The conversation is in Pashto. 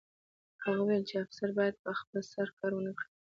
هغه وویل چې افسر باید په خپل سر کار ونه کړي